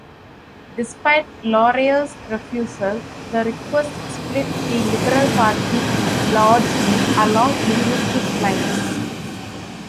Despite Laurier's refusal, the request split the Liberal Party largely along linguistic lines.